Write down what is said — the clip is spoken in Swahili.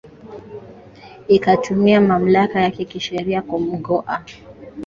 ikatumia mamlaka yake kisheria kumngoa